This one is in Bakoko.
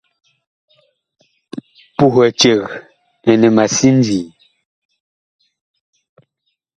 Puh eceg ɛnɛ ma sindii.